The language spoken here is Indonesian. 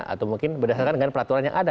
atau mungkin berdasarkan dengan peraturan yang ada